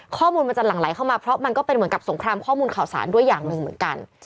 ข้อมูลมันจะหลั่งไหลเข้ามาเพราะมันก็เป็นเหมือนกับสงครามข้อมูลข่าวสารด้วยอย่างหนึ่งเหมือนกัน